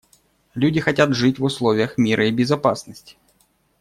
Люди хотят жить в условиях мира и безопасности.